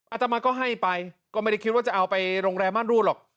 อาตมาก็ให้ไปก็ไม่ได้คิดว่าจะเอาไปโรงแรมม่านรูดหรอก